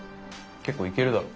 結構いけるだろ。